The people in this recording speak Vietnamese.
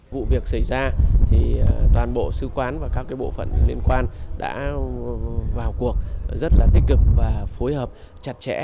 vụ việc xảy ra thì toàn bộ sứ quán và các bộ phận liên quan đã vào cuộc rất là tích cực và phối hợp chặt chẽ